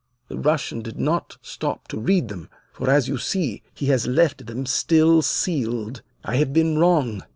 The Russian did not stop to read them, for, as you see, he has left them still sealed. I have been wrong.